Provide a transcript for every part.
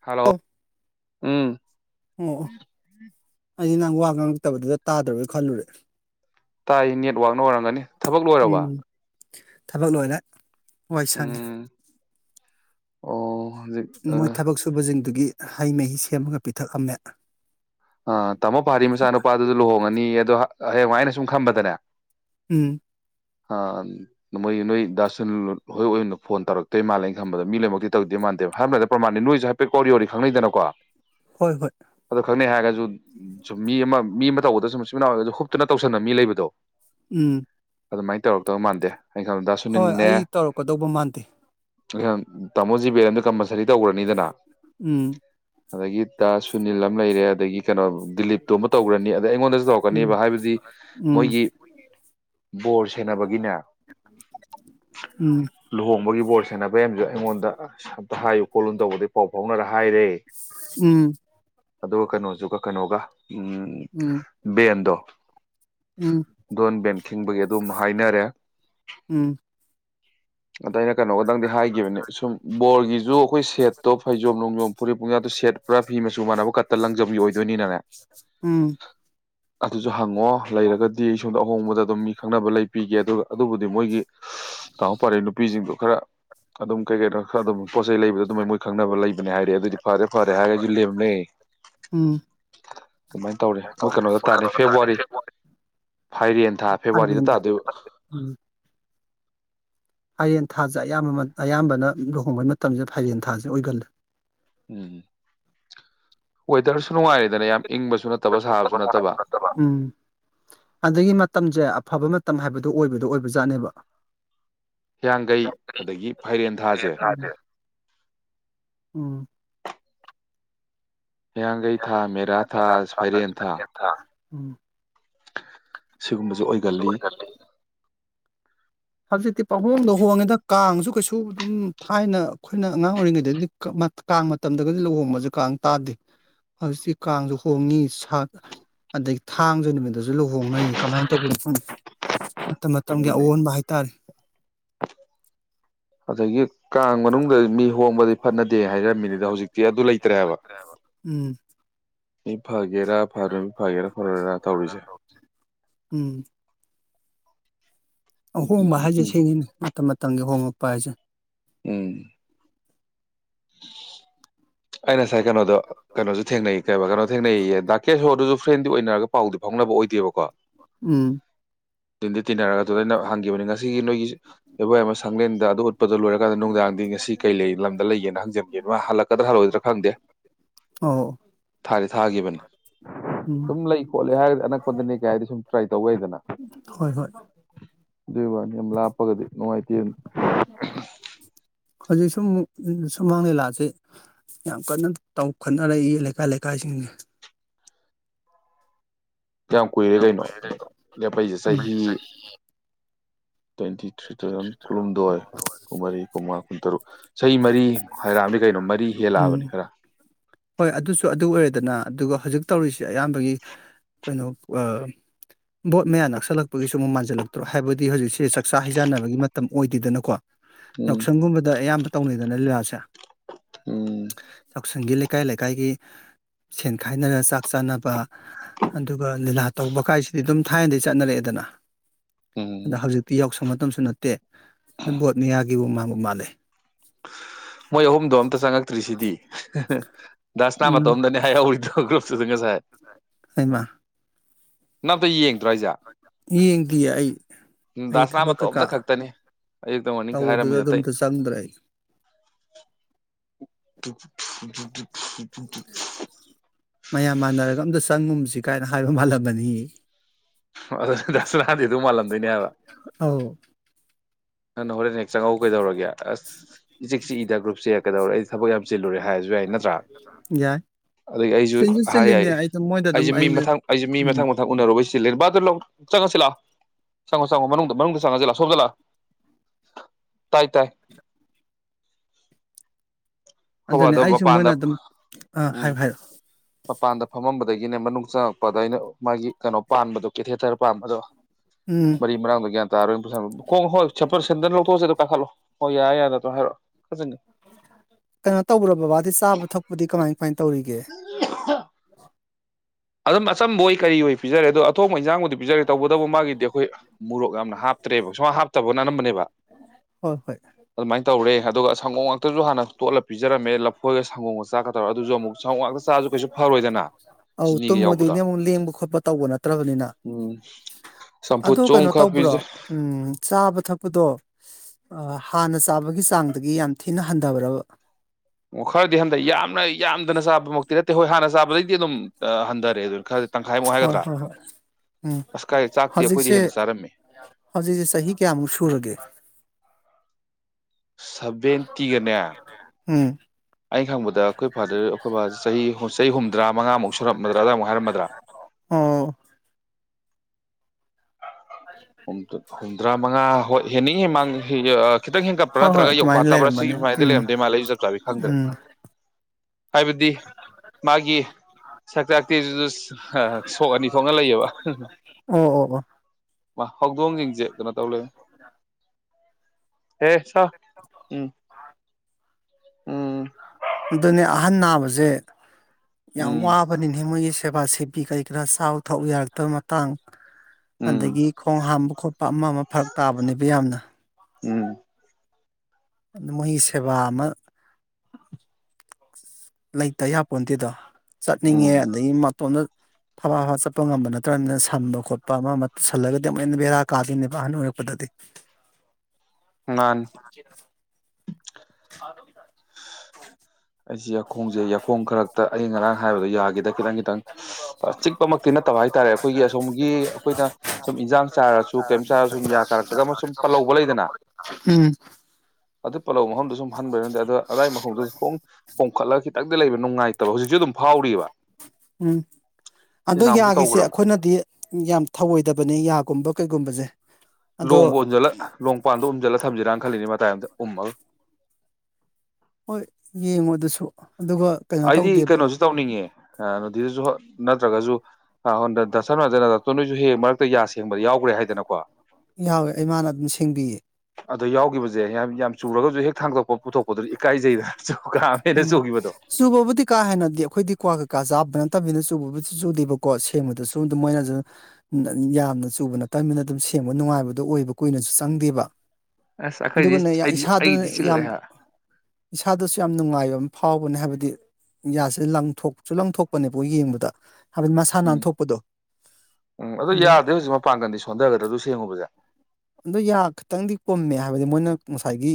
hello ꯑꯣ ꯑꯝ ꯑꯣ ꯑꯩꯅꯪ ꯉꯥꯡꯉꯛꯇꯕꯗꯨꯗ ꯇꯥꯗ꯭ꯔꯔꯣꯏ ꯈꯜꯂꯨꯔꯦ ꯇꯥꯏ ꯅꯦꯠꯋꯥꯛꯅ ꯑꯣꯏꯔꯝꯒꯅꯤ ꯊꯕꯛ ꯂꯣꯏꯔꯕ ꯎꯝ ꯊꯕꯛ ꯂꯣꯏꯔꯦ ꯋꯥꯏ ꯁꯪꯉꯤ ꯎꯝ ꯑꯣ ꯍꯧꯖꯤꯛ ꯃꯣꯏ ꯊꯕꯛ ꯁꯨꯕꯁꯤꯡꯗꯨꯒꯤ ꯍꯩ ꯃꯍꯤ ꯁꯦꯝꯃꯒ ꯄꯤꯊꯛꯑꯝꯃꯦ ꯑ ꯇꯥꯃꯣ ꯐꯥꯔꯤ ꯃꯆꯥ ꯅꯨꯄꯥꯗꯨꯗ ꯂꯨꯍꯣꯡꯉꯅꯤ ꯑꯣ ꯍꯌꯦꯡꯏꯩꯅ ꯁꯨꯝ ꯈꯝꯕꯗꯅꯦ ꯎꯝ ꯑ ꯃꯣꯏ ꯅꯣꯏ ꯗꯥꯁꯨꯟ ꯍꯣꯏ ꯑꯣꯏꯅ ꯐꯣꯟ ꯇꯧꯔꯛꯇꯣꯏ ꯃꯥꯜꯂꯦꯅ ꯈꯟꯕꯗ ꯃꯤ ꯂꯣꯏꯃꯛꯇꯤ ꯇꯧꯗꯦ ꯃꯥꯟꯗꯦꯕ ꯍꯥꯏꯔꯝꯗ ꯄ꯭ꯔꯃꯥꯟꯅꯤ ꯅꯣꯏꯁꯨ ꯍꯥꯏꯐꯦꯠ ꯀꯥꯎꯔꯤꯣꯔꯤ ꯈꯪꯅꯩꯗꯅꯀꯣ ꯍꯣꯏ ꯍꯣꯏ ꯑ ꯈꯅꯤ ꯍꯥꯏ ꯑꯗꯨꯟ ꯃꯤ ꯑꯃ ꯃꯤ ꯇꯧꯕꯗꯆꯤꯟ ꯃꯅꯥꯎ ꯍꯨꯞꯇꯅ ꯇꯧꯁꯟꯅ ꯃꯤ ꯂꯩꯕꯗꯣ ꯎꯝ ꯑꯗꯨꯃꯥꯏꯅ ꯇꯧꯔꯛꯇꯧ ꯃꯥꯟꯗꯦ ꯑꯩꯩꯅ ꯈꯪꯕꯗ ꯍꯣꯏ ꯁꯨꯅꯤꯟꯅꯦ ꯑꯩ ꯇꯧꯔꯛꯀꯗꯧꯕ ꯃꯥꯟꯗꯦ ꯇꯥꯃꯣ ꯖꯤꯕꯦ ꯑꯗ ꯀꯝꯄꯜꯁꯔꯤ ꯇꯧꯈ꯭ꯔꯅꯤꯗꯅ ꯎꯝ ꯑꯗꯒꯤ ꯇ ꯁꯨꯅꯤꯜ ꯑꯃ ꯂꯩꯔꯦ ꯀꯩꯅꯣ ꯗꯂꯂꯤꯞ ꯇꯣꯝꯕ ꯇꯧꯈ꯭ꯔꯅꯤ ꯑꯗꯩ ꯑꯩꯉꯣꯟꯗꯁꯨ ꯎꯝ ꯇꯧꯔꯛꯀꯅꯦꯕ ꯍꯥꯏꯕꯗꯤ ꯎꯝ ꯃꯣꯏꯒꯤ ꯕꯣꯔ ꯁꯦꯟꯅꯕꯒꯤꯅꯦ ꯎꯝ ꯂꯨꯍꯣꯡꯕꯒꯤ ꯕꯣꯔ ꯁꯦꯟꯅꯕ ꯍꯥꯏꯁꯨ ꯑꯩꯉꯣꯟꯗ ꯑꯝꯇ ꯍꯥꯏꯌꯨ ꯈꯣꯠꯂꯨꯅ ꯇꯧꯕꯗ ꯐꯥꯎ ꯐꯥꯎꯅꯔ ꯎꯝ ꯑꯗꯨꯒ ꯀꯩꯅꯣꯁꯨꯒ ꯀꯩꯅꯣꯒ ꯎꯝ ꯕꯦꯟꯗꯣ ꯎꯝ ꯗꯣꯟ ꯕꯦꯟ ꯊꯤꯡꯕꯒꯤ ꯑꯗꯨꯝ ꯍꯥꯏꯅꯔꯦ ꯎꯝ ꯑꯗ ꯑꯩꯅ ꯀꯩꯅꯣꯒꯗꯪꯗꯤ ꯍꯥꯏꯈꯤꯕꯅꯦ ꯁꯨꯝ ꯕꯣꯔꯒꯤꯁꯨ ꯑꯩꯈꯣꯏ ꯁꯦꯠꯇꯣ ꯐꯩꯖꯣꯝ ꯣꯡꯖꯣꯝ ꯐꯨꯔꯤꯠ ꯄꯨꯡꯌꯥꯗꯣ ꯁꯦꯠ ꯄꯨꯔꯥ ꯐꯤ ꯃꯆꯨ ꯃꯥꯟꯅꯕ ꯀꯠꯇ ꯂꯪꯖꯕ ꯑꯣꯏꯗ ꯣꯅꯤ ꯉꯥ ꯎꯝ ꯑ ꯍꯪꯉꯣ ꯂꯩꯔꯒꯗꯤ ꯑꯩ ꯁꯣꯝꯗ ꯑꯍꯣꯡꯕꯗ ꯑꯗꯨꯝ ꯃꯤ ꯈꯪꯅꯕ ꯂꯩ ꯄꯒꯦ ꯑꯗꯨꯒ ꯑꯗꯨꯕꯨ ꯃꯣꯏꯒꯤ ꯐꯔꯦ ꯅꯨꯄꯤꯁꯤꯡꯗꯣ ꯈꯔ ꯑꯗꯨꯝ ꯀꯩ ꯀꯩꯅꯣ ꯈꯔ ꯑꯗꯨꯝ ꯄꯣꯠ ꯆꯩ ꯂꯩꯕꯗꯣ ꯑꯗꯨꯃꯥꯏ ꯃꯣꯏ ꯈꯪꯅꯕ ꯂꯩꯕꯅꯦ ꯍꯥꯏꯔꯦ ꯑꯗꯨꯗꯤ ꯐꯔꯦ ꯐꯔꯦ ꯍꯥꯏꯔꯒꯁꯨ ꯂꯦꯝꯅꯩ ꯎꯝ ꯑꯗꯨꯃꯥꯏꯅ ꯇꯧꯔꯦ ꯃꯣꯏ ꯀꯩꯅꯣꯗ ꯇꯥꯅꯤ ꯐꯦꯕꯋꯥꯔꯤ ꯐꯥꯏꯔꯦꯟ ꯊꯥ ꯐꯦꯕꯋꯥꯔꯤꯗ ꯐꯥꯏꯔꯦꯟꯗ ꯇꯥꯗꯣꯏ ꯐꯔꯦꯟ ꯊꯥꯁꯦ ꯑꯌꯥꯝꯕ ꯑꯌꯥꯝꯕꯅ ꯂꯨꯍꯣꯡꯕꯩ ꯃꯇꯝꯁꯤꯗ ꯐꯥꯏꯔꯦꯟ ꯊꯥꯁꯦ ꯑꯣꯏꯒꯜꯂꯤꯦ ꯎꯝ [unintelligible] ꯌꯥꯝ ꯏꯪꯕꯁꯨ ꯅꯠꯇꯕ ꯁꯥꯕꯁꯨ ꯅꯠꯇꯕ ꯎꯝ ꯑꯗꯒꯤ ꯃꯇꯝꯁꯦ ꯑꯐꯕ ꯃꯇꯝ ꯍꯥꯏꯕꯗ ꯑꯗꯨ ꯑꯣꯏꯕꯗꯣ ꯑꯣꯏꯕꯖꯥꯠꯅꯦꯕ ꯍꯤꯌꯥꯡꯒꯩ ꯑꯗꯒꯤ ꯐꯥꯏꯔꯦꯟ ꯐꯩꯔꯦꯟꯊꯥꯁꯦ ꯊꯥꯁꯦ ꯎꯝ ꯍꯌꯥꯡꯒꯩ ꯊꯥ ꯃꯦꯔꯥ ꯊꯥ ꯐꯔꯦꯟ ꯊꯥ ꯎꯝ ꯁꯤꯒꯨꯝꯕꯁꯨ ꯑꯣꯏꯒꯜꯂꯤ ꯍꯧꯖꯤꯛꯇꯤ ꯄꯥꯍꯣꯡꯗ ꯍꯣꯡꯉꯦꯗ ꯀꯥꯡꯁꯨ ꯀꯩꯁꯨ ꯑꯗꯨꯝ ꯊꯥꯏꯅ ꯑꯩꯈꯣꯏꯅ ꯑꯉꯥꯡ ꯑꯣꯏꯔꯤꯉꯩꯗꯗꯤ ꯀꯥꯡ ꯃꯇꯝꯗꯒꯗꯤ ꯂꯨꯍꯣꯡꯕꯁ ꯀꯥꯡ ꯇꯥꯗꯦ ꯍꯧꯖꯤꯛꯇꯤ ꯀꯥꯡꯁꯨ ꯍꯣꯡꯉꯤ ꯑꯗꯗꯒꯤ ꯊꯥꯡꯖ ꯅꯨꯃꯤꯠꯇꯁꯨ ꯂꯨꯍꯣꯡꯅꯩ ꯀꯃꯥꯏꯅ ꯇꯧꯒꯅꯣ ꯃꯇꯝ ꯃꯇꯝꯒꯤ ꯑꯗꯨꯅꯦ ꯑꯑꯣꯟꯕ ꯍꯥꯏ ꯑꯗꯒꯤ ꯀꯥꯡ ꯃꯅꯨꯡꯗ ꯃꯤ ꯍꯣꯡꯕꯗꯤ ꯐꯠꯅꯗꯦ ꯍꯥꯏꯔꯝꯃꯤꯅꯤꯗ ꯍꯧꯖꯤꯛꯇꯤ ꯑꯗꯨ ꯂꯩꯇ꯭ꯔꯦꯕ ꯎꯝ ꯃꯤ ꯐꯒꯦꯔꯥ ꯐꯔꯣꯏ ꯃꯤ ꯐꯒꯦꯔꯥ ꯐꯔꯨꯔꯦꯔꯥ ꯇꯧꯔꯤꯁꯦ ꯎꯝ ꯑꯍꯣꯡꯕ ꯎꯝ ꯍꯥꯏꯖꯁꯅꯦ ꯃꯇꯝ ꯃꯇꯝꯒꯤ ꯍꯣꯡꯉꯛꯄ ꯄꯥꯖ ꯎꯝ ꯍꯅ ꯉꯁꯥꯏ ꯀꯩꯅꯣꯗꯣ ꯀꯩꯅꯣꯁꯨ ꯊꯦꯡꯅꯩ ꯀꯩ ꯀꯩꯅꯣ ꯊꯦꯡꯅꯩꯌꯦ ꯗꯥꯀꯦ ꯁꯣꯗꯨꯁꯨ ꯐ꯭ꯔꯦꯟꯗꯤ ꯑꯣꯏꯅꯔꯒ ꯄꯥꯎꯗꯤ ꯐꯥꯎꯅꯕ ꯑꯣꯏꯗꯦꯕꯀꯣ ꯎꯝ ꯇꯗꯤ ꯇꯤꯟꯅꯔꯒ ꯑꯗꯨꯗ ꯑꯩꯅ ꯍꯪꯈꯤꯕꯅꯤ ꯉꯁꯥꯏ ꯁꯤꯒꯤ ꯅꯣꯏꯒꯤ ꯕꯣꯏ ꯑꯃ ꯁꯪꯂꯦꯟꯗ ꯑꯗꯨ ꯎꯠꯄꯗꯨꯣ ꯂꯣꯏꯔꯀꯥꯟꯗ ꯅꯨꯡꯗꯥꯡꯗꯤ ꯉꯁꯤ ꯀꯩ ꯂꯝ ꯂꯩꯒꯦꯅ ꯍꯪꯖꯟꯒꯦ ꯃꯥ ꯍꯜꯂꯛꯀꯗ꯭ꯔ ꯍꯏ ꯈꯗꯦ ꯑꯧ ꯊꯥꯗꯤ ꯊꯥꯈꯤꯕꯅꯤ ꯎꯝ ꯁꯨꯝ ꯂꯩ ꯈꯣꯠꯂꯦ ꯍꯥꯏꯔꯒꯗꯤ ꯑꯅꯛꯄꯗꯅꯦ ꯀꯩ ꯍꯥꯏꯗꯤ ꯁꯨꯝ ꯇ꯭ꯔꯥꯏ ꯇꯧꯒꯦꯗꯅ ꯍꯣꯏ ꯍꯣꯏ ꯑꯣꯏꯅꯤ ꯌꯥꯝ ꯂꯥꯞꯄꯒꯗꯤ ꯅꯨꯡꯉꯥꯏꯇꯦ ꯍꯧꯖꯤꯛ ꯁꯨꯝ ꯁꯨꯃꯥꯡ ꯂꯤꯂꯥꯥꯁ ꯌꯥꯝ ꯀꯟꯅ ꯇꯧꯈꯠꯅꯔꯛꯏ ꯂꯩꯀꯥꯏ ꯂꯩꯀꯥꯏꯁꯤꯡꯁ ꯀꯌꯥꯝ ꯀꯨꯏꯔꯦ ꯀꯩꯅꯣ ꯂꯦꯞꯄꯩꯁꯦ ꯎꯝ ꯆꯍꯤ ꯇ꯭ꯋꯦꯟꯇꯤ ꯊ꯭ꯔꯤ ꯊꯥꯎꯖꯟ ꯀꯨꯜꯍꯨꯝꯗꯣꯏ ꯀꯨꯝꯃꯔꯤ ꯀꯨꯝꯃꯥ ꯎꯇꯔꯣ ꯆꯍꯤ ꯃꯔꯤ ꯍꯥꯏꯔꯛꯑꯝꯗꯤ ꯀꯩꯅꯣ ꯃꯔꯤ ꯎꯝ ꯍꯦꯜꯂꯛꯑꯕꯅꯤ ꯈꯔ ꯗꯅ ꯑꯗꯨꯒ ꯍꯧꯖꯤꯛ ꯇꯧꯔꯤꯁꯤ ꯑꯌꯥꯝꯕꯒꯤ ꯀꯩꯅꯣ ꯕꯣꯠ ꯃꯌꯥ ꯅꯛꯁꯜꯂꯛꯄꯒꯤꯁꯨ ꯑꯃꯨꯛ ꯃꯥꯟꯖꯜꯂꯛꯇ꯭ꯔꯣ ꯍꯥꯏꯕꯗꯤ ꯍꯧꯖꯤꯛꯁꯦ ꯆꯥꯛꯆꯥ ꯍꯩꯖꯥꯟꯅꯕꯒꯤ ꯃꯇꯝ ꯑꯣꯏꯗꯦꯗꯅꯀꯣ ꯎꯝ ꯌꯥꯎꯁꯪꯒꯨꯝꯕꯗ ꯑꯌꯥꯝꯕ ꯅ ꯂꯥꯁ ꯎꯝ [unintelligible] ꯀꯥꯛꯆꯪꯒꯤ ꯂꯩꯀꯥꯏ ꯂꯩꯀꯥꯏꯒꯤ ꯁꯦꯟ ꯈꯥꯏꯅꯔ ꯆꯥꯛ ꯆꯥꯅꯕ ꯑꯗꯨꯒ ꯂꯤꯂꯥ ꯇꯧꯕ ꯀꯥꯏꯁꯤꯗꯤ ꯑꯗꯨꯝ ꯊꯥꯏꯅꯗꯒꯤ ꯆꯠꯅꯔꯛꯑꯦꯗꯅ ꯎꯝ ꯑꯗ ꯍꯧꯖꯤꯛꯇꯤ ꯌꯥꯎꯁꯪꯃ ꯃꯇꯝꯁꯨ ꯅꯠꯇꯦ ꯣꯠ ꯃꯌꯥꯒꯤꯕꯨ ꯃꯥꯡꯕ ꯃꯥꯜꯂꯦ ꯃꯣꯏ ꯑꯍꯨꯝꯗꯣ ꯑꯝꯇ ꯆꯪꯉꯛꯇ꯭ꯔꯤꯁꯤꯗꯤ ꯗꯁ ꯅꯥ ꯎꯝ ꯃꯇꯣꯝꯗꯅꯦ ꯍꯥꯏꯍꯧꯔꯤꯗꯣ ꯒ꯭ꯔꯨꯞꯇꯨꯁꯨ ꯉꯁꯥꯏ ꯍꯩꯃꯥ ꯅꯇ ꯌꯦꯡ ꯌꯦꯡꯗꯤꯌꯦ ꯑꯩ ꯑꯩ ꯗꯥꯁꯅꯥ ꯊꯕꯛ ꯀꯩꯀꯥ ꯃꯇꯣꯝꯇ ꯈꯛꯇꯅꯤ ꯑꯌꯨꯛꯇ ꯃꯣꯔꯅꯤꯡꯒ ꯇꯧꯕꯗꯨꯗ ꯍꯥꯏꯔꯝꯃꯤꯗꯣ ꯑꯇꯩ ꯑꯗꯨꯝꯇ ꯆꯪꯗ꯭ꯔꯦ ꯑꯩ ꯗꯨꯛ ꯗꯨꯛ ꯊꯨ ꯃꯌꯥꯝ ꯃꯥꯟꯅꯔꯒ ꯑꯝꯇ ꯆꯪꯉꯨꯝꯁꯤ ꯀꯥꯏꯅ ꯍꯥꯏꯕ ꯃꯥꯜꯂꯝꯅꯤ ꯑ ꯗꯁ ꯂꯗꯤꯗꯨ ꯃꯥꯜꯂꯂꯝꯗꯅꯦ ꯍꯥꯏꯕ ꯑꯧ ꯅꯪꯅ ꯍꯣꯔꯦꯟ ꯍꯦꯛ ꯆꯪꯉꯧ ꯀꯩꯗꯧꯔꯒꯦ ꯑꯁ ꯏꯆꯛꯁꯤ ꯏꯗ ꯒ꯭ꯔꯨꯞꯁꯦ ꯀꯗꯧꯔ ꯑꯩ ꯊꯕꯛ ꯌꯥꯝ ꯆꯤꯜꯂꯨꯔꯦ ꯍꯥꯏꯔꯁꯨ ꯌꯥꯏ ꯅꯠꯇ꯭ꯔꯥ ꯌꯥꯏ ꯑꯗꯒꯤ ꯑꯩꯁꯨ ꯆꯤꯟꯁꯨ ꯍꯥꯏ ꯌꯥꯏ ꯆꯤꯜꯂꯤꯅꯦ ꯑꯩꯗꯣ ꯃꯣꯏꯗ ꯑꯗꯨꯝ ꯑꯩꯁꯦ ꯃꯤ ꯑꯩꯅ ꯃꯊꯪ ꯑꯩꯁꯦ ꯃꯤ ꯎꯝ ꯃꯊꯪ ꯃꯊꯪ ꯎꯅꯔꯨꯕꯩ ꯆ ꯂꯤ ꯑꯗꯨ ꯂ ꯆꯪꯉꯁꯤꯂꯥꯛ ꯆꯪꯉꯣ ꯆꯪꯉꯣ ꯃꯅꯨꯡꯗ ꯃꯅꯨꯡꯗ ꯆꯪꯉꯁꯤꯂꯥꯛ ꯁꯣꯝ ꯜꯂꯥ ꯇꯥꯏ ꯇꯥꯏ ꯑꯩꯈꯣꯏ ꯑꯗꯨꯅꯦ ꯕꯥꯗꯣ ꯑꯩꯁꯨ ꯃꯣꯏꯅ ꯃꯄꯥꯟꯗ ꯑꯗꯨꯝ ꯑ ꯎꯝ ꯍꯥꯏꯌ ꯍꯥꯏꯌꯛꯑꯣ ꯃꯄꯥꯟꯗ ꯐꯝꯃꯝꯕꯗꯒꯤꯅꯦ ꯃꯅꯨꯡ ꯆꯪꯉꯛꯄꯗ ꯑꯩꯅ ꯃꯥꯒꯤ ꯀꯩꯅꯣ ꯄꯥꯟꯕꯗꯣ ꯀꯦꯊꯦꯇꯔ ꯄꯥꯟꯕ ꯑꯗꯣ ꯎꯝ ꯃꯔꯤ ꯃꯔꯥꯡꯗꯒꯗ ꯣꯡ ꯍꯣꯏ ꯁꯗꯟ ꯂꯧꯊꯣꯛꯑꯁꯤꯦ ꯑꯗꯨ ꯀꯥꯈꯠꯂꯣ ꯍꯣꯏ ꯌꯥꯔ ꯌꯥꯗꯗꯣ ꯍꯥꯏꯔꯛꯑꯣ ꯈꯒꯦ ꯀꯩꯅꯣ ꯇꯧꯕ꯭ꯔꯣ ꯕꯕꯥꯗꯤ ꯆꯥꯕ ꯊꯛꯄꯗꯤ ꯀꯃꯥꯏ ꯀꯃꯥꯏꯅ ꯇꯧꯔꯤ ꯑꯩꯒꯦ ꯑꯗꯨꯝ ꯑꯆꯝꯕ ꯑꯣꯏ ꯀꯔꯤ ꯑꯣꯏ ꯄꯤꯖꯔꯦ ꯑꯗꯣ ꯑꯊꯣꯡꯕ ꯏꯟꯖꯥꯡꯕꯨꯗꯤ ꯄꯤꯖꯔꯦ ꯇꯧꯕꯇꯕꯨ ꯃꯥꯒꯤꯗꯤ ꯑꯩꯈꯣꯏ ꯃꯣꯔꯣꯛ ꯌꯥꯝꯅ ꯍꯥꯞꯇ꯭ꯔꯦꯕ ꯁꯨꯃꯥꯏꯅ ꯍꯥꯞꯇꯕꯅꯝꯕꯅꯦꯕ ꯍꯣꯏ ꯍꯣꯏ ꯇꯧꯔꯦ ꯑꯗꯨꯒ ꯁꯪꯒꯣ ꯉꯥꯛꯇꯁꯨ ꯍꯥꯟꯅ ꯇꯣꯠꯂꯒ ꯄꯤꯔꯝꯃꯦ ꯂꯐꯣꯏꯒ ꯁꯪꯣꯝꯒ ꯆꯥꯛꯀ ꯇꯧꯔꯒ ꯑꯗꯨꯁꯨ ꯑꯃꯨꯛ ꯁ ꯉꯥꯛꯇ ꯆꯥꯁꯨ ꯀꯩꯁꯨ ꯐꯔꯣꯏꯗꯅ ꯌꯥꯎꯕꯗꯣ ꯇꯨꯝꯃꯨꯗꯣꯏꯅꯦ ꯑꯃꯨꯛ ꯂꯦꯡꯕ ꯈꯣꯠꯄ ꯇꯧꯕ ꯅꯠꯇ꯭ꯔꯕꯅꯤꯅ ꯑꯗꯣ ꯆꯝꯐꯨꯠꯁꯨ ꯀꯩꯅꯣ ꯑꯃꯨꯛ ꯈꯔ ꯇꯧꯕ꯭ꯔꯣ ꯄꯤꯖꯩ ꯎꯝ ꯆꯥꯕ ꯊꯛꯄꯗꯣ ꯍꯥꯟꯅ ꯆꯥꯕꯒꯤ ꯆꯥꯡꯗꯒꯤ ꯌꯥꯝ ꯊꯤꯅ ꯍꯟꯊꯕ꯭ꯔꯕ ꯈꯔꯗꯤ ꯍꯟꯗꯛ ꯌꯥꯝꯅ ꯌꯥꯝꯗꯅ ꯆꯥꯕꯃꯛꯇ ꯇꯤ ꯅꯠꯇꯦ ꯍꯣꯏ ꯍꯥꯟꯅ ꯆꯥꯕꯗꯩꯗꯤ ꯑꯗꯨꯝ ꯍꯟꯊꯔꯛꯦ ꯑꯗꯨ ꯈꯔ ꯇꯪꯈꯥꯏꯃꯨꯛ ꯍꯣꯏ ꯍꯥꯏꯒꯗ꯭ꯔꯥ ꯍꯣꯏ ꯍꯣꯏ ꯎꯝ ꯑꯁ ꯀꯥꯏ ꯆꯥꯛꯇꯤ ꯑꯩꯈꯣꯏꯗꯤ ꯍꯧꯖꯤꯛꯁꯦ ꯍꯦꯟꯅ ꯆꯥꯔꯝꯃꯦ ꯍꯧꯖꯤꯛꯁꯦ ꯆꯍꯤ ꯀꯌꯥꯃꯨꯛ ꯁꯨꯔꯒꯦ ꯁꯚꯦꯟꯇꯤꯒꯅꯦ ꯎꯝ ꯑꯩꯅ ꯈꯪꯕꯗ ꯑꯩꯈꯣꯏ ꯐꯥꯗꯔ ꯑꯩꯈꯣꯏꯕꯥ ꯆꯍꯤ ꯆꯍꯤ ꯍꯨꯝꯗ꯭ꯔꯥ ꯃꯉꯥꯃꯨꯛ ꯁꯨꯔꯝꯃꯗ꯭ꯔꯥ ꯑꯋꯥꯏꯃꯨꯛ ꯍꯥꯏꯔꯝꯃꯗ꯭ꯔꯥ ꯑꯣ ꯍꯨꯝꯗ꯭ꯔꯥ ꯃꯉꯥ ꯍꯣꯏ ꯍꯦꯟꯅꯤꯡ ꯍꯦꯟꯃꯥꯡ ꯈꯤꯇꯪ ꯍꯦꯟꯒꯠꯄ꯭ꯔꯥ ꯍꯣꯏ ꯍꯣꯏ ꯅꯠꯇ꯭ꯔꯒ ꯑꯗꯨꯃꯥꯏꯅ ꯌꯧꯐꯥꯠꯇꯕ꯭ꯔꯥ ꯁꯤꯒꯤ ꯂꯩꯔꯝꯕꯅꯦ ꯁꯨꯃꯥꯏꯗ ꯎꯝ ꯂꯩꯔꯝꯗꯣꯏ ꯃꯥ ꯂꯩꯁꯨ ꯆꯞ ꯆꯥꯕꯤ ꯈꯪꯗ꯭ꯔꯦ ꯎꯝ ꯍꯥꯏꯕꯗꯤ ꯃꯥꯒꯤ ꯁꯛꯇꯥꯛꯇꯤꯁꯨ ꯁꯣꯛ ꯑꯅꯤ ꯊꯣꯛꯅ ꯂꯩꯌꯦꯕ ꯑꯣ ꯑꯣ ꯑꯣ ꯋꯥꯕꯥ ꯍꯧꯗꯣꯡꯁꯤꯡ ꯆꯦꯠꯇꯅ ꯇꯧ ꯂꯩ ꯍ‌ꯦ ꯑ ꯎꯝ ꯎꯝ ꯑꯗꯨꯅꯦ ꯑꯍꯟ ꯅꯥꯕꯁꯦ ꯌꯥꯝ ꯎꯝ ꯋꯥꯕꯅꯤꯅꯦ ꯃꯣꯏꯒꯤꯁ ꯁꯦꯕꯥ ꯁꯦꯕꯤ ꯀꯔꯤ ꯀꯔꯥ ꯆꯥꯎꯕ ꯊꯛ ꯌꯥꯔꯛꯇꯕ ꯃꯇꯥꯡ ꯎꯝ ꯑꯗꯒꯤ ꯈꯣꯡ ꯍꯥꯝꯕ ꯈꯣꯠꯄ ꯑꯃ ꯑꯃ ꯐꯔꯛ ꯇꯥꯕꯅꯦꯕ ꯌꯥꯝꯅ ꯎꯝ ꯃꯣꯏ ꯁꯦꯕꯥ ꯑꯃ ꯂꯩꯇꯍꯄꯣꯟꯗꯤꯦꯗ ꯆꯠꯅꯤꯡꯉꯦ ꯎꯝ ꯑꯗꯒꯤ ꯃꯇꯣꯟꯗ ꯊꯋꯥ ꯐꯋꯥ ꯆꯠꯄ ꯉꯝꯕ ꯅꯠꯇ꯭ꯔꯅꯤꯅ ꯁꯝꯕ ꯈꯣꯠꯄ ꯑꯃ ꯑꯃ ꯁꯜꯂꯒꯗꯤ ꯑꯃꯨꯛ ꯍꯦꯟꯅ ꯕꯦꯔꯥ ꯀꯥꯗꯣꯏꯅꯦꯕ ꯑꯍꯟ ꯑꯣꯏꯔꯛꯄꯗꯗꯤ ꯃꯥꯥꯟ [unintelligible] ꯑꯩꯁꯦ ꯌꯥꯈꯣꯡꯁꯦ ꯌꯥꯈꯣꯡ ꯈꯔꯛꯇ ꯑꯩ ꯉꯔꯥꯡ ꯍꯥꯏꯕꯗꯣ ꯌꯥꯒꯤꯗ ꯈꯤꯇꯪ ꯈꯤꯇꯪ ꯆꯤꯛꯄꯃꯛꯇꯤ ꯅꯠꯇꯕ ꯍꯥꯏꯇꯥꯔꯦ ꯑꯩꯈꯣꯏꯒꯤ ꯑꯁꯣꯝꯒꯤ ꯑꯩꯈꯣꯏꯅ ꯁꯨꯝ ꯏꯟꯖꯥꯡ ꯆꯥꯔꯁꯨ ꯀꯩꯝ ꯆꯥꯔꯁꯨ ꯁꯨꯝ ꯌꯥ ꯀꯥꯔꯛꯇꯒ ꯑꯃ ꯁꯨꯝ ꯄꯜꯂꯧꯕ ꯂꯩꯗꯅ [unintelligible] ꯑꯗꯨ ꯄꯜꯂꯧ ꯃꯐꯝꯗꯣ ꯁꯨꯝ ꯍꯟꯕꯔꯝꯗꯤ ꯑꯗ ꯑꯔꯗꯥꯏ ꯃꯈꯗꯨꯣꯡ ꯄ‌ꯣꯡꯈꯛꯂꯒ ꯈꯤꯇꯪꯗ ꯂꯩꯕ ꯅꯨꯡꯉꯥꯏꯇꯕ ꯍꯧꯖꯤꯛꯁꯨ ꯑꯗꯨꯝ ꯐꯥꯎꯔꯤꯕ ꯎꯝ ꯏꯆꯤꯟ ꯑꯗꯣ ꯏꯅꯥꯎꯁꯨ ꯌꯥꯒꯤꯁꯦ ꯇꯧꯈ꯭ꯔꯕꯅꯤ ꯑꯩꯈꯣꯏꯅꯗꯤ ꯌꯥꯝ ꯊꯧꯑꯣꯏꯗꯕꯅꯤ ꯌꯥꯒꯨꯝꯕ ꯀꯩꯒꯨꯝꯕꯁꯦ ꯑꯗꯣ ꯂꯣꯡꯕꯨ ꯎꯟꯖꯜꯂ ꯂꯣꯡ ꯄꯥꯟꯗꯣ ꯎꯟꯖꯜꯂ ꯊꯝꯖꯤꯔꯥꯅ ꯈꯜꯂꯤꯅꯤ ꯃꯇꯥꯏ ꯑꯝꯗ ꯎꯃ ꯍꯣꯏ ꯌꯦꯡꯉꯨꯗꯁꯨ ꯑꯩꯗꯤ ꯀꯩꯅꯣꯁꯨ ꯇꯧꯅꯤꯡꯉꯦ ꯁꯨ ꯅꯠꯇ꯭ꯔꯒꯁꯨꯁꯥꯗꯅ ꯅꯣꯏꯁꯨ ꯍꯦꯛ ꯃꯔꯛ ꯌꯥꯎꯋꯦ ꯑꯩꯃꯅ ꯑꯗꯨꯝ ꯁꯦꯡꯕꯤꯌꯦ ꯑꯗꯣ ꯌꯥꯎꯈꯤꯕꯁꯦ ꯌꯥꯝ ꯌꯥꯝ ꯆꯨꯔꯒꯁꯨ ꯍꯦꯛ ꯊꯥꯡꯗꯣꯛꯄ ꯄꯨꯊꯣꯛꯄꯗꯨꯗꯤ ꯏꯀꯥꯏꯖꯩꯗꯅꯁꯨ ꯀꯃꯦꯅꯦ ꯎꯝ ꯆꯨꯈꯤꯕꯕꯗꯣ ꯆꯨꯕꯕꯨꯗꯤ ꯀꯥ ꯍꯦꯟꯅꯗꯤ ꯑꯩꯈꯣꯏꯗꯤ ꯀ꯭ꯋꯥ ꯀꯩꯀꯥ ꯆꯥꯕ ꯅꯠꯇꯕꯅꯤꯅ ꯆꯨꯕꯕꯨꯕꯁꯤ ꯆꯨꯗꯦꯕꯀꯣ ꯁꯦꯝꯕꯗꯁꯨ ꯑꯗꯨꯝ ꯃꯣꯏꯅꯁꯨ ꯌꯥꯝꯅ ꯆꯨꯕ ꯅꯠꯇꯕꯅꯤꯅ ꯑꯗꯨꯝ ꯁꯦꯝꯕ ꯅꯨꯡꯉꯥꯏꯕꯗꯣ ꯑꯣꯏꯕ ꯀꯨꯏꯅꯁꯨ ꯆꯪꯗꯦꯕ ꯑꯁ ꯑꯈꫭꯏꯗꯤ ꯑꯗꯨꯒꯅꯦ ꯑꯗꯤ ꯏꯁꯥꯗ ꯑꯩꯒꯤꯗꯤ ꯁꯤꯜꯂꯨꯔꯦ ꯌꯥꯝ ꯍꯥ ꯏꯁꯥꯗꯁꯨ ꯌꯥꯝ ꯌꯥꯝ ꯅꯨꯡꯉꯥꯏꯕ ꯑꯃ ꯐꯥꯎꯕꯅꯦ ꯍꯥꯏꯕꯗꯤ ꯌꯥꯁꯦ ꯂꯪꯊꯣꯛꯁꯨ ꯂꯪꯊꯣꯛꯄꯅꯦꯕꯣ ꯌꯦꯡꯕꯗ ꯍꯥꯏꯕꯗꯤ ꯃꯁꯥ ꯎꯝ ꯅꯥꯟꯊꯣꯛꯄꯗꯣ ꯎꯝ ꯑꯗꯨ ꯑꯗꯨꯒ ꯌꯥꯗꯦ ꯍꯧꯖꯤꯛ ꯃꯄꯥꯡꯒꯜꯗꯤ ꯁꯣꯟꯊꯒꯗ꯭ꯔꯥ ꯑꯗꯨ ꯁꯦꯡꯉꯨꯕꯁꯦ ꯑꯗ ꯌꯥ ꯈꯇꯪꯗꯤ ꯀꯨꯝꯃꯦ ꯍꯥꯏꯕꯗꯤ ꯃꯣꯏꯅ ꯉꯁꯥꯏꯒꯤ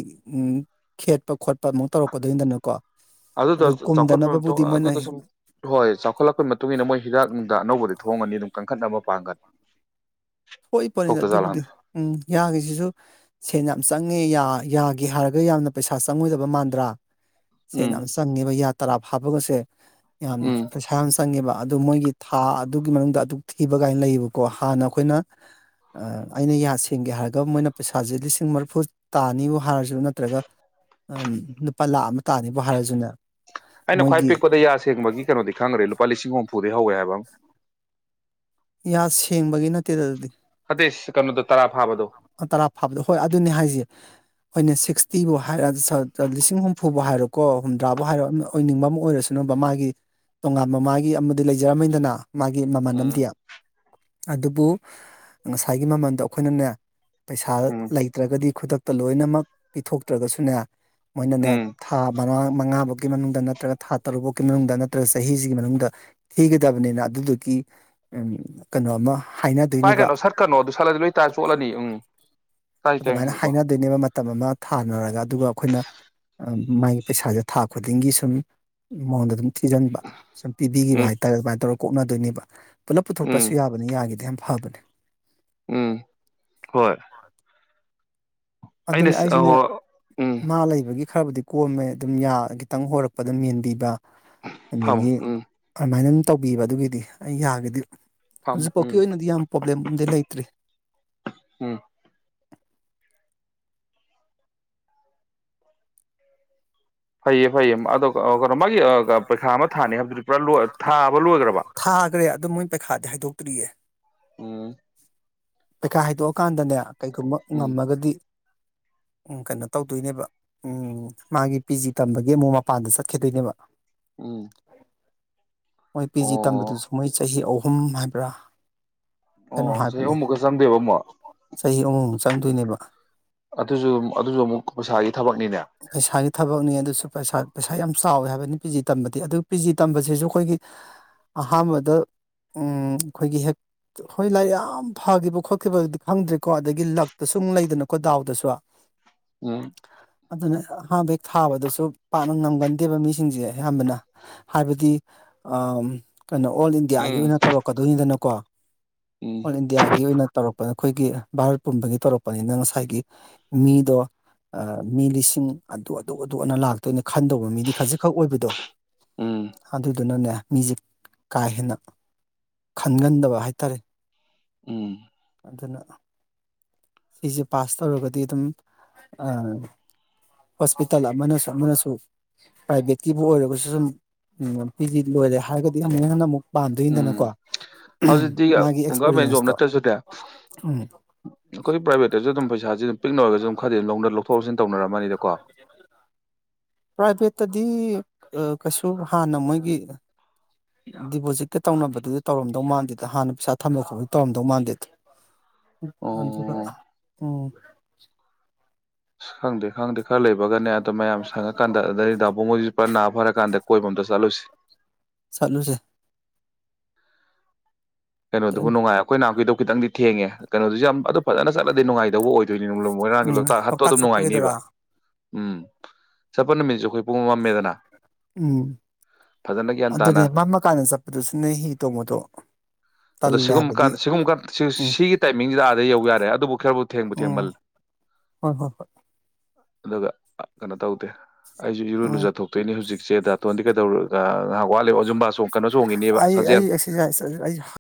ꯈꯦꯠꯄ ꯈꯣꯠꯄ ꯑꯃ ꯇꯧꯔꯛꯀꯗꯣꯏꯅꯤꯗꯅꯀꯣ ꯑꯗꯨꯗ ꯑꯗꯨ ꯆꯥꯎꯈꯠꯄ ꯀꯨꯝꯗꯅꯕꯕꯨꯗꯤ ꯃꯣꯏꯅ ꯑꯗꯨꯗ ꯁꯨꯝ ꯍꯣꯏ ꯆꯥꯎꯈꯠꯂꯛꯄꯩ ꯃꯇꯨꯡ ꯏꯟꯅ ꯃꯣꯏ ꯍꯤꯗꯥꯛ ꯅꯨꯡꯗ ꯑꯅꯧꯕꯗ ꯄꯨꯊꯣꯡ ꯑꯝꯒꯅꯤ ꯑꯗꯨꯝ ꯀꯟꯈꯠꯅꯕ ꯃꯥꯄꯥꯡꯒꯠ ꯊꯣꯛꯏꯄꫭꯠꯅꯤ ꯑꯗꯨꯕꯨꯗꯤ ꯎꯝ ꯌꯥꯒꯤꯁꯤꯁꯨ ꯁꯦꯟ ꯌꯥꯝ ꯆꯪ ꯉꯦ ꯌꯥꯒꯦ ꯍꯥꯏꯔꯒ ꯌꯥꯝꯅ ꯄꯩꯁꯥ ꯆꯪꯉꯣꯏꯗꯕ ꯃꯥꯟꯗ꯭ꯔꯥ ꯁꯦꯟ ꯎꯝ ꯌꯥꯝ ꯆꯪꯉꯦꯕ ꯌꯥ ꯇꯔꯥ ꯐꯥꯕꯒꯁꯦ ꯌꯥꯝ ꯎꯝ ꯄꯩꯁꯥ ꯌꯥꯝ ꯆꯪꯉꯦꯕ ꯑꯗꯨ ꯃꯣꯏꯒꯤ ꯊꯥ ꯑꯗꯨꯒꯤ ꯃꯅꯨꯡꯗ ꯑꯗꯨꯛ ꯊꯤꯕ ꯀꯥꯏꯅ ꯂꯩꯌꯦꯕꯀꯣ ꯍꯥꯟꯅ ꯑꯩꯈꯣꯏꯅ ꯑꯩꯅ ꯌꯥ ꯁꯦꯡꯒꯦ ꯍꯥꯏꯔꯒ ꯃꯣꯏꯅ ꯄꯩꯁꯥꯁꯦ ꯂꯤꯁꯤꯡ ꯃꯔꯤꯐꯨ ꯇꯥꯅꯤꯕꯨ ꯍꯥꯏꯔꯁꯨ ꯅꯠꯇ꯭ꯔꯒ ꯂꯨꯄꯥ ꯂꯥꯈ ꯑꯃ ꯇꯥꯅꯤꯕꯨ ꯍꯥꯏꯔꯁꯨꯅꯦ ꯑꯩꯅ ꯈ꯭ꯋꯥꯏ ꯃꯣꯏꯒꯤ ꯄꯤꯛꯄꯗ ꯌꯥ ꯁꯦꯡꯕꯒꯤ ꯀꯩꯅꯣꯗꯤ ꯈꯪꯈ꯭ꯔꯦ ꯂꯨꯄꯥ ꯂꯤꯁꯤꯡ ꯍꯨꯝ ꯐꯨꯗꯩ ꯍꯧꯋꯦ ꯍꯥꯏꯕ ꯑꯃ ꯌꯥ ꯁꯦꯡꯕꯒꯤ ꯅꯠꯇꯦꯗ ꯑꯗꯨꯗꯤ ꯅꯠꯇꯦ ꯀꯩꯅꫭꯗꫭ ꯇꯔꯥ ꯐꯥꯕꯗ ꯍꯣꯏ ꯑꯗꯨꯅꯦ ꯍꯥꯏꯁꯦ ꯍꫭꯏꯅꯦ ꯁꯤꯛꯁꯇꯤꯕꯨ ꯍꯥꯏꯔ ꯂꯤꯁꯤꯡ ꯍꯨꯝꯐꯨꯕꯨ ꯍꯥꯏꯔꯣꯀꯣ ꯍꯨꯝꯗ꯭ꯔꯥꯕꯨ ꯍꯥꯏꯔꯣ ꯑꯣꯏꯅꯤꯡꯕ ꯑꯃ ꯑꯣꯏꯔꯁꯨ ꯅꯕ ꯃꯥꯒꯤ ꯇꯣꯉꯥꯟꯕ ꯃꯥꯒꯤ ꯑꯃꯗꯤ ꯂꯩꯖꯔꯝꯃꯗꯅ ꯃꯥꯒꯤ ꯃꯃꯜ ꯑꯃꯗꯤ ꯎꯝ ꯑꯗꯨꯕꯨ ꯉꯁꯥꯏꯒꯤ ꯃꯃꯜꯗꯣ ꯑꯩꯈꯣꯏꯅꯅꯦ ꯄꯩꯁꯥ ꯎꯝ ꯂꯩꯇ꯭ꯔꯒꯗꯤ ꯈꯨꯗꯛꯇ ꯂꯣꯏꯅꯃꯛ ꯄꯤꯊꯣꯛꯇ꯭ꯔꯒꯁꯨꯅꯦ ꯃꯣꯏꯅꯅꯦ ꯎꯝ ꯊꯥ ꯃꯉ ꯃꯉꯥꯐꯥꯎꯒꯤ ꯃꯅꯨꯡꯗ ꯅꯠꯇ꯭ꯔꯒ ꯊꯥ ꯇꯔꯨꯛ ꯐꯧꯒꯤ ꯃꯅꯨꯡꯗ ꯅꯠꯇ꯭ꯔꯒ ꯆꯍꯤꯁꯤꯒꯤ ꯃꯅꯨꯡꯗ ꯊꯤꯒꯗꯕꯅꯤꯅ ꯑꯗꯨꯗꯨꯒꯤ ꯀꯩꯅꯣ ꯑꯃ ꯍꯥꯏꯅꯗꯣꯏꯅꯦꯕ ꯄꯥꯏꯒꯅꯣ ꯁꯠꯀꯅꫭ ꯑꯗꯨ ꯁꯠꯂꯗꯤ ꯂꯣꯏ ꯇꯥ ꯆꯣꯠꯂꯅꯤ ꯎꯝ [inaudible] ꯇꯥꯏ ꯇꯥꯏ ꯑꯗꯨꯃꯥꯏꯅ ꯉꯥꯏꯈꯣꯀꯣ ꯍꯥꯏꯅꯗꯣꯏꯅꯦꯕ ꯃꯇꯝ ꯑꯃ ꯊꯥꯅꯔꯒ ꯑꯗꯨꯒ ꯑꯩꯈꯣꯏꯅ ꯃꯥꯒꯤ ꯄꯩꯁꯥꯁꯦ ꯊꯥ ꯈꯨꯗꯤꯡꯒꯤ ꯁꯨꯝ ꯃꯉꯣꯟꯗ ꯑꯗꯨꯝ ꯊꯤꯖꯤꯟꯕ ꯁꯨꯝ ꯄꯤꯕꯤꯒꯤꯕ ꯎꯝ ꯍꯥꯏꯇꯥꯔꯦ ꯑꯗꯨꯃꯥꯏꯅ ꯇꯧꯔꯒ ꯀꯣꯛꯅꯗꯣꯏꯅꯦꯕ ꯄꯨꯂꯞ ꯄꯨꯊꯣꯛꯇꯁꯨ ꯎꯝ ꯌꯥꯕꯅꯤ ꯌꯥꯒꯤꯗꯤ ꯐꯕꯅꯦ ꯎꯝ ꯍꯣꯏ ꯑꯩꯅ ꯑꯗꯨꯅꯦ ꯑꯩꯁꯨꯅꯦ ꯑꯍꯣ ꯎꯝ ꯃꯥ ꯂꯩꯕꯒꯤ ꯈꯔꯕꯨꯗꯤ ꯀꯣꯝꯃꯦ ꯑꯗꯨꯝ ꯌꯥ ꯈꯤꯇꯪ ꯍꯣꯔꯛꯄꯗ ꯑꯗꯨꯝ ꯃꯦꯟꯕꯤꯕ ꯐꯝꯃꯣ ꯑꯗꯒꯤ ꯎꯝ ꯑꯃꯥꯏꯅ ꯇꯧꯕꯤꯕ ꯑꯗꯨꯒꯤꯗꯤ ꯑꯩ ꯌꯥꯒꯤꯗꯤ ꯐꯝꯃꯣ ꯍꯧꯖꯤꯛꯐꯥꯎꯒꯤ ꯎꯝ ꯑꯣꯏꯅꯗꯤ ꯌꯥꯝ ꯄ꯭ꯔꯣꯕ꯭ꯂꯦꯝꯗꯤ ꯂꯩꯇ꯭ꯔꯤ ꯎꯝ ꯐꯩꯌꯦ ꯐꯩꯌꯦ ꯑꯗꯣ ꯀꯩꯅꯣ ꯃꯥꯒꯤ ꯄꯩꯈꯥ ꯑꯃ ꯊꯥꯅꯤ ꯍꯥꯏꯕꯗꯨꯗꯤ ꯄꯨꯔꯥ ꯂꯣꯏ ꯊꯥꯕ ꯂꯣꯏꯈ꯭ꯔꯕ ꯊꯥꯈ꯭ꯔꯦ ꯑꯗꯨꯝ ꯃꯣꯏꯅ ꯄꯩꯈꯥꯗꯦ ꯍꯥꯏꯗꯣꯛ ꯇꯔꯤꯌꯦ ꯎꯝ ꯄꯩꯈꯥ ꯍꯥꯏꯗ‌ꯣꯛꯑꯛꯀꯥꯟ ꯗꯅꯦ ꯀꯩꯒꯨꯝꯕ ꯎꯝ ꯉꯝꯃꯒꯗꯤ ꯎꯝ ꯀꯩꯅꯣ ꯇꯧꯗꯣꯏꯅꯦꯕ ꯎꯝ ꯃꯥꯒꯤ ꯄꯤ ꯖꯤ ꯇꯝꯕꯒꯤ ꯒꯤ ꯑꯃꯨꯛ ꯃꯄꯥꯟꯗ ꯆꯠꯈꯤꯗꯣꯏꯅꯦꯕ ꯎꯝ ꯃꯣꯏ ꯄꯤ ꯖꯤ ꯑꯣ ꯇꯝꯕꯗꯨꯁꯨ ꯃꯣꯏ ꯆꯍꯤ ꯑꯍꯨꯝ ꯎꯝ ꯍꯥꯏꯕ꯭ꯔꯥ ꯀꯩꯅꯣ ꯑꯣ ꯁ ꯍꯥꯏꯕꯅꯦ ꯑꯃꯨꯛꯀ ꯆꯪꯗꯦꯕ ꯑꯃꯛ ꯆꯍꯤ ꯑꯍꯨꯝꯃꯨꯛ ꯆꯪꯗꯣꯏꯅꯦꯕ ꯄꯁꯥꯒꯤ ꯊꯕꯛꯅꯤꯅꯦ ꯄꯩꯁꯥꯒꯤ ꯊꯕꯛꯅꯤ ꯑꯗꯨꯁꯨ ꯄꯩꯁꯥ ꯄꯩꯁꯥ ꯌꯥꯝ ꯆꯥꯎꯋꯦ ꯍꯥꯏꯕꯅꯤ ꯄꯤ ꯖꯤ ꯇꯝꯕꯗꯤ ꯑꯗꯨ ꯄꯤ ꯖꯤ ꯇꯝꯕꯁꯤꯁꯨ ꯑꯩꯈꯣꯏꯒꯤ ꯑꯍꯥꯟꯕꯗ ꯑꯩꯈꯣꯏꯒꯤ ꯍꯦꯛ ꯍꯣꯏ ꯂꯥꯏꯔꯤꯛ ꯌꯥꯝ ꯐꯈꯤꯕ ꯈꯣꯠꯈꯤꯕꯗꯤ ꯈꯪꯗ꯭ꯦꯀꯣ ꯑꯗꯒꯤ ꯂꯛꯇ ꯁ ꯂꯩꯗꯅꯀꯣ ꯗꯥꯎꯗꯁꯨ ꯎꯝ ꯑꯗꯨꯅ ꯍꯥꯟ ꯕꯦꯛ ꯊꯥꯕꯗꯁꯨ ꯄꯥꯛꯅ ꯉꯝꯒꯟꯗꯦꯕ ꯃꯤꯁꯤꯡꯁꯦ ꯑꯌꯥꯝꯕꯅ ꯍꯥꯏꯕꯗꯤ ꯀꯩꯅꯣ ꯑꯣꯜ ꯏꯟꯗꯤꯌꯥꯒꯤ ꯎꯝ ꯑꯣꯏꯅ ꯇꯧꯔꯛꯀꯗꯣꯏꯅꯤꯗꯅꯀꯣ ꯎꯝ ꯑꯣꯜ ꯏꯟꯗꯤꯌꯥꯒꯤ ꯑꯣꯏꯅ ꯇꯧꯔꯛꯄ ꯑꯩꯈꯣꯏꯒꯤ ꯚꯥꯔꯠ ꯄꯨꯝꯕꯒꯤ ꯇꯧꯔꯛꯄꯅꯤꯅ ꯉꯁꯥꯏꯒꯤ ꯃꯤꯗꯣ ꯃꯤ ꯂꯤꯁꯤꯡ ꯑꯗꯨ ꯑꯗꯨ ꯑꯗꯨ ꯑꯅ ꯂꯥꯛꯇꯣꯏꯅꯦ ꯈꯟꯗꯧꯕ ꯃꯤꯗꯤ ꯈꯖꯤꯛꯈꯛ ꯑꯣꯏꯕꯗꯣ ꯎꯝ ꯑꯗꯨꯗꯨꯅꯅꯦ ꯃꯤꯁꯦ ꯀꯥ ꯍꯦꯟꯅ ꯈꯟꯒꯟꯗꯕ ꯍꯥꯏꯇꯥꯔꯦ ꯎꯝ ꯑꯗꯨꯅ ꯁꯤꯁꯦ ꯄꯥꯁ ꯇꯧꯔꯒꯗꯤ ꯑꯗꯨꯝ ꯍꯣꯁꯄꯤꯇꯥꯜ ꯑꯃꯅꯁꯨ ꯑꯃꯅꯁꯨ ꯄ꯭ꯔꯥꯏꯚꯦꯠꯀꯤꯕꯨ ꯑꯣꯏꯔꯒꯁꯨ ꯁꯨꯝ ꯄꯤ ꯗꯤ ꯂꯣꯏꯔꯦ ꯍꯥꯏꯔꯒꯗꯤ ꯍꯟꯅꯛ ꯍꯟꯅ ꯑꯃꯨꯛ ꯄꯥꯝꯗꯣꯏꯗꯅꯀꯣ ꯎꯝ ꯍꯧꯖꯤꯛꯇꯤ ꯃꯥꯒꯤ ꯒꯚꯔꯃꯦꯟ ꯖꯣꯕ ꯑꯦꯛꯁꯄꯔꯤꯌꯦꯟꯁꯇꯣ ꯅꯠꯇ꯭ꯔꯁꯨꯅꯦ ꯎꯝ ꯑꯩꯈꯣꯏ ꯄꯥꯏꯚꯦꯠꯇꯁꯨ ꯑꯗꯨꯝ ꯄꯩꯁꯥ ꯑꯗꯨꯝ ꯄꯤꯛꯅ ꯑꯣꯏꯔꯒꯁꯨ ꯑꯗꯨꯝ ꯈꯗꯤ ꯂꯧꯊꯣꯛ ꯂꯧꯁꯤꯟ ꯇꯧꯅꯔꯝꯃꯅꯤꯗꯀꯣ ꯄ꯭ꯔꯥꯏꯚꯦꯠꯇꯗꯤ ꯀꯩꯁꯨ ꯍꯥꯟꯅ ꯃꯣꯏꯒꯤ ꯗꯤꯄꯣꯖꯤꯠꯀ ꯇꯧꯅꯕꯗꯨꯗ ꯇꯧꯔꯝꯗꯧ ꯃꯥꯟꯗꯦꯗ ꯍꯥꯟꯅ ꯄꯩꯁꯥ ꯊꯝꯕ ꯈꯣꯠꯄꯒꯤ ꯇꯧꯔꯝꯗꯧ ꯃꯥꯟꯗꯦꯗ ꯑꯣ ꯑꯗꯨ ꯎꯝ [unintelligible] ꯑ ꯈꯪꯗꯦ ꯈꯪꯗꯦ ꯈꯔ ꯂꯩꯕꯒꯅꯦ ꯑꯗꯣ ꯃꯌꯥꯝ ꯁꯪꯉꯀꯥꯟꯗ ꯑꯗꯩ ꯗꯥꯎꯕꯨꯡ ꯃꯉꯣꯏꯁꯤ ꯄꯨꯔ ꯅꯥ ꯐꯔꯀꯥꯟꯗ ꯀꯣꯏꯕꯝꯗ ꯆꯠꯂꯨꯁꯤ ꯁꯥꯠꯂꯨꯁꯦ ꯀꯩꯅꯣꯗꯨꯕꯨ ꯎꯝ ꯅꯨꯡꯉꯥꯏ ꯑꯩꯈꯣꯏ ꯅꯥꯍꯄꯤꯗꯣ ꯈꯤꯇꯪꯗꯤ ꯊꯦꯡꯉꯦ ꯀꯩꯅꯣꯗꯨ ꯌꯥꯝ ꯐꯖꯅ ꯆꯠꯂꯗꯤ ꯅꯨꯡꯉꯥꯏꯗꯧꯕ ꯑꯣꯏꯗꯣꯏꯅꯤ ꯃꯣꯏꯔꯥꯡꯒꯤ ꯂꯣꯛꯇꯥꯛ ꯍꯥꯠꯇꯣ ꯑꯗꯨꯝ ꯅꯨꯡꯉꯥꯏꯅꯦꯕ ꯎꯝ ꯃꯤꯁꯈꯣꯏ [unintelligible] ꯎꯝ ꯐꯖꯅ ꯒ꯭ꯌꯥꯟ ꯑꯗꯨꯅꯦ ꯇꯥꯅ ꯃꯝꯃꯀꯥꯟꯗ ꯆꯠꯄꯗꯨꯁꯨ ꯅꯣꯢ ꯍꯤ ꯇꯣꯡꯕꯗꯣ ꯑꯗ ꯇꯜꯂꯦ ꯁꯤꯒꯨꯝꯕ ꯍꯥꯏꯕꯗꯤ ꯀꯥꯟ ꯁꯤꯒꯨꯝꯕ ꯎꯝ ꯁꯤꯒꯤ ꯇꯥꯏꯃꯤꯡꯁꯤꯗ ꯑꯥꯗ ꯌꯧ ꯌꯥꯔꯦ ꯑꯗꯨꯕꯨ ꯈꯔꯕꯨ ꯊꯦꯡꯕꯨ ꯎꯝ ꯊꯦꯡꯃꯜꯂꯦ ꯍꯣꯏ ꯍꯣꯏ ꯍꯣꯏ ꯑꯗꯨꯒ ꯀꯩꯅꯣ ꯇꯧꯗꯦ ꯑꯩꯁꯨ ꯏꯔꯨ ꯎꯝ ꯂꯨꯖ ꯊꯣꯛꯇꯣꯏꯅꯦ ꯍꯧꯖꯤꯛꯁꯦ ꯗꯇꯣꯟꯗꯤ ꯀꯩꯗꯧꯔ ꯉꯥꯏꯍꯥꯛ ꯋꯥꯠꯂꯤꯕ ꯑꯣ ꯖꯨꯝꯕꯥ ꯆꯣꯡ ꯀꯩꯅꯣ ꯆꯣꯡꯉꯤꯅꯦꯕ ꯑꯩ ꯁꯥꯖꯦꯜ ꯑꯩ ꯑꯦꯛꯁꯔꯁꯥꯏꯁ ꯑꯩ